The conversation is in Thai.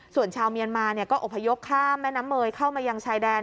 ส่วนชาวเมียนมาก็อพยพข้ามแม่น้ำเมยเข้ามายังชายแดน